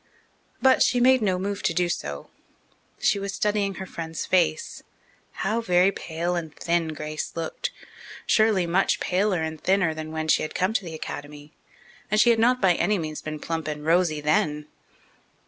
But she made no move to do so. She was studying her friend's face. How very pale and thin Grace looked surely much paler and thinner than when she had come to the Academy, and she had not by any means been plump and rosy then.